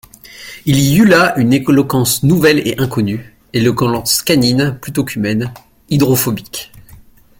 Il y eut là une éloquence nouvelle et inconnue, éloquence canine, plutôt qu'humaine, hydrophobique.